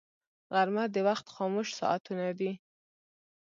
غرمه د وخت خاموش ساعتونه دي